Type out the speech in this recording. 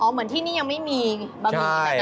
อ๋อเหมือนที่นี่ยังไม่มีบะหมี่